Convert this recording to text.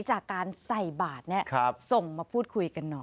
จากการใส่บาทส่งมาพูดคุยกันหน่อย